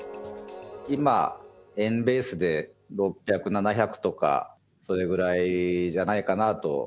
今、円ベースで６００、７００とか、それぐらいじゃないかなと。